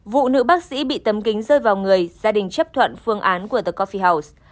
vụ nữ bác sĩ bị tấm kính rơi vào người gia đình chấp thuận phương án của the cophie house